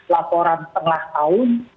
laporan tengah tahun